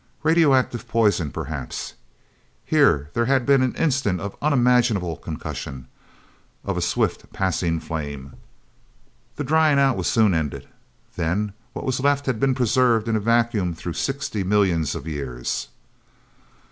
Radioactive poison, perhaps... Here, there had been an instant of unimaginable concussion, and of swift passing flame. The drying out was soon ended. Then, what was left had been preserved in a vacuum through sixty millions of years.